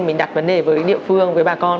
mình đặt vấn đề với địa phương với bà con